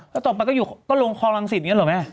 แล้วต่อไปก็ลงคอลังศิษย์อย่างนี้เหรอแม่